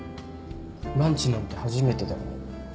ランチなんて初めてだよね？